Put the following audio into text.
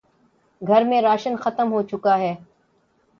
گھر میں راشن ختم ہو چکا ہے